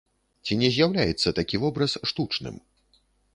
Ці не з'яўляецца такі вобраз штучным?